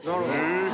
え。